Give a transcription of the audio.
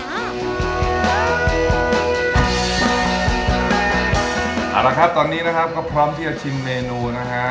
เอาละครับตอนนี้นะครับก็พร้อมที่จะชิมเมนูนะฮะ